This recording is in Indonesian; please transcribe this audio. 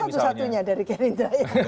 satu satunya dari gerindra